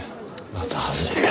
また外れか。